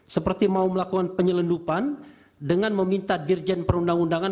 seperti mau melakukan penyelundupan dengan meminta dirjen perundang undangan